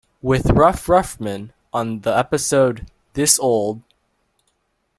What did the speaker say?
With Ruff Ruffman" on the episode "This Old...